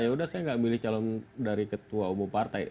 ya udah saya gak milih calon dari ketua umum partai